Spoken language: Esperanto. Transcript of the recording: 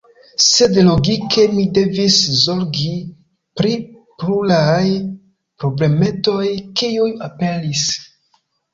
Sed logike mi devis zorgi pri pluraj problemetoj, kiuj aperis.